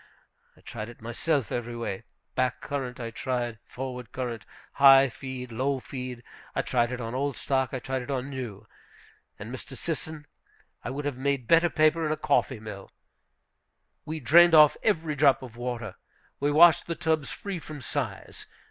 I tried it myself every way; back current, I tried; forward current; high feed; low feed; I tried it on old stock, I tried it on new; and, Mr. Sisson, I would have made better paper in a coffee mill! We drained off every drop of water. We washed the tubs free from size.